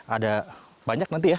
ada banyak nanti ya